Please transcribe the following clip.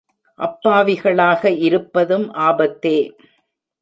அப்பாவிகளாக இருப்பதும் ஆபத்தே.